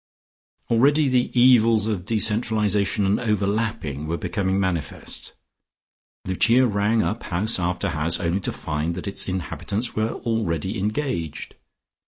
Already the evils of decentralisation and overlapping were becoming manifest. Lucia rang up house after house, only to find that its inhabitants were already engaged.